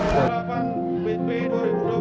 sergudian lumiu dinyatakan ditutup